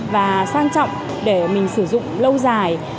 quan trọng để mình sử dụng lâu dài